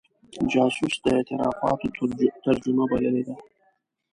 جاسوس د اعترافاتو ترجمه بللې ده.